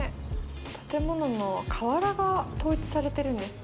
建物の瓦が統一されてるんですね。